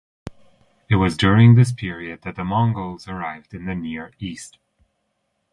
It was during this period that the Mongols arrived in the Near East.